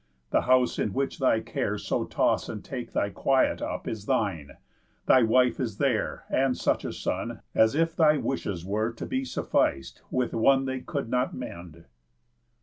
The house in which thy cares so toss and take Thy quiet up is thine; thy wife is there; And such a son, as if thy wishes were To be suffic'd with one they could not mend."